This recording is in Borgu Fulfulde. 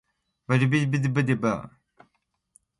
Ŋee nanŋi danɗe et kajuuje banniraaɓe makko.